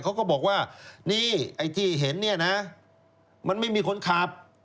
เขาก็บอกว่านี่ไอ้ที่เห็นเนี่ยนะมันไม่มีคนขับ